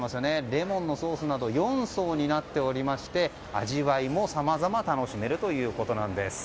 レモンのソースなど４層になっていまして味わいもさまざま楽しめるということです。